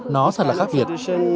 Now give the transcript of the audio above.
nó thật là khác biệt